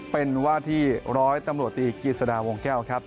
เป็นว่าที่ร้อยตำรวจตีกิจสดาวงแก้วครับ